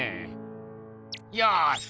よし！